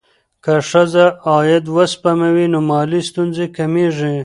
که ښځه عاید وسپموي، نو مالي ستونزې کمېږي.